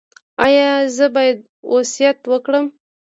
ایا زه باید وصیت وکړم؟